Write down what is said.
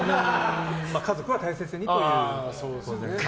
家族は大切にということで。